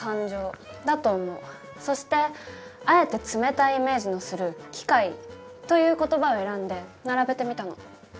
そしてあえて冷たいイメージのする「機械」という言葉を選んで並べてみたの。